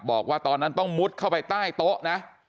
บอกว่าตอนนั้นต้องมุดเข้าไปใต้โต๊ะนะ